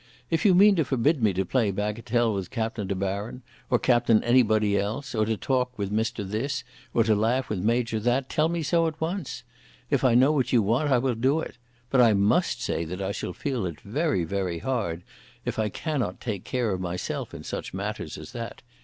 If you mean to forbid me to play bagatelle with Captain De Baron, or Captain anybody else, or to talk with Mr. This, or to laugh with Major That, tell me so at once. If I know what you want, I will do it. But I must say that I shall feel it very, very hard if I cannot take care of myself in such matters as that.